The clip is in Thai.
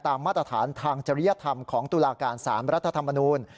มาตรฐานทางจริยธรรมของตุลาการสารรัฐธรรมนูล